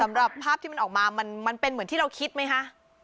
ภาพที่มันออกมามันเป็นเหมือนที่เราคิดไหมคะ